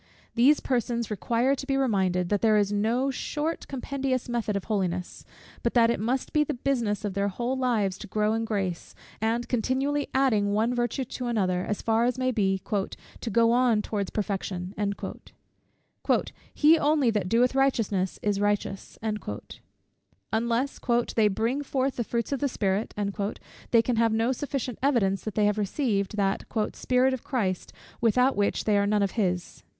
_ These persons require to be reminded, that there is no short compendious method of holiness: but that it must be the business of their whole lives to grow in grace, and continually adding one virtue to another, as far as may be, "to go on towards perfection." "He only that doeth righteousness is righteous." Unless "they bring forth the fruits of the Spirit," they can have no sufficient evidence that they have received that "Spirit of Christ, without which they are none of his."